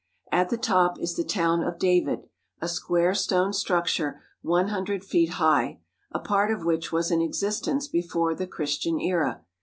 At the top is the Tower of David, a square stone structure one hundred feet high, a part of which was in existence before the Christian Era.